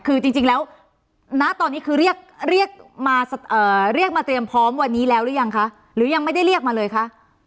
คือจริงแล้วณตอนนี้คือเรียกมาเรียกมาเตรียมพร้อมวันนี้แล้วหรือยังคะหรือยังไม่ได้เรียกมาเลยคะ